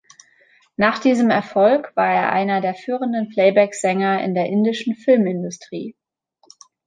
Nach diesem Erfolg war er einer der führenden Playbacksänger in der indischen Filmindustrie.